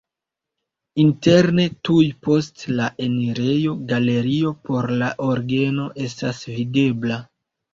Interne tuj post le enirejo galerio por la orgeno estas videbla.